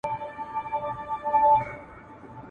شپه دي اوږده تپه تیاره دي وي ,